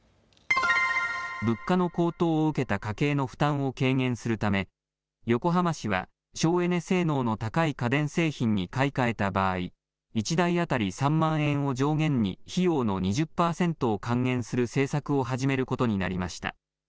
物価の高騰を受けた家計の負担を軽減するため、横浜市は省エネ性能の高い家電製品に買い替えた場合、１台当たり３万円を上限に、費用の２０％を還元する政策を始めることになりました。